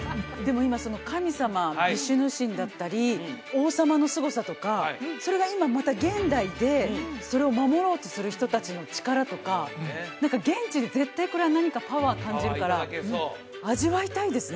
今その神様ヴィシュヌ神だったり王様のすごさとかそれが今また現代でそれを守ろうとする人達の力とか現地で絶対これは何かパワー感じるから味わいたいですね